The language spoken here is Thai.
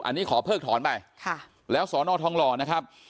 อันนี้ขอเพิกถอนไปแล้วสอนอทองหล่อนะครับ